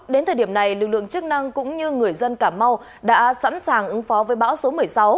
đến thời điểm này lực lượng chức năng cũng như người dân cà mau đã sẵn sàng ứng phó với bão số một mươi sáu